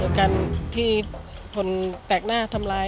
เหตุการณ์ที่คนแตกหน้าทำร้าย